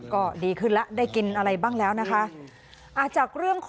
ก็ดีขึ้นแล้วได้กินอะไรบ้างแล้วนะคะ